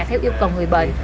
theo yêu cầu người bệnh